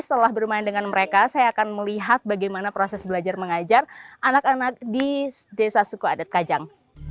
setelah bermain dengan mereka saya akan melihat bagaimana proses belajar mengajar anak anak di desa suku adat kajang